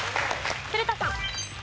古田さん。